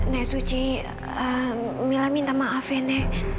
nenek suci mila minta maaf nenek